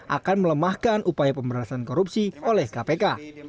akan melemahkan upaya pemberantasan korupsi oleh kpk